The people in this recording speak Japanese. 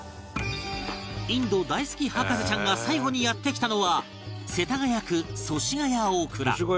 インド大好き博士ちゃんが最後にやって来たのは世田谷区祖師ヶ谷大蔵